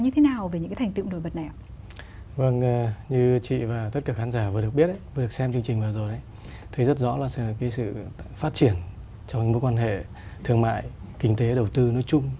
thấy rất rõ là sự phát triển trong mối quan hệ thương mại kinh tế đầu tư nối chung